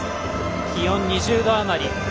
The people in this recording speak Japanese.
気温２０度余り。